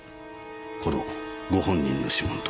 このご本人の指紋と。